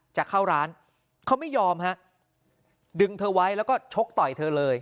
จะเข้าร้านเขาไม่ยอมฮะดึงเธอไว้แล้วก็ชกต่อยเธอเลย